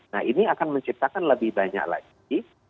nah ini akan menciptakan lebih banyak lagi